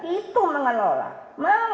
itu mengelola mengelola